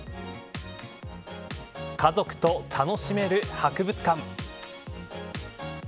家族と楽しめる博物館。